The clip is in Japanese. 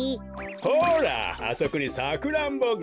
ほらあそこにサクランボが。